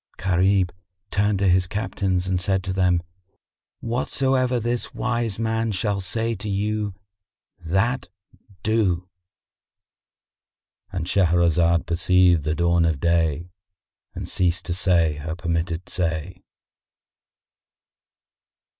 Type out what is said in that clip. Gharib turned to his Captains and said to them, "Whatsoever this wise man shall say to you that do."——And Shahrazad perceived the dawn of day and ceased to say her permitted say.